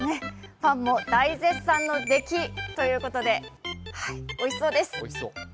ファンも大絶賛の出来ということでおいしそうです。